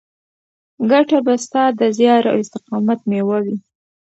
ګټه به ستا د زیار او استقامت مېوه وي.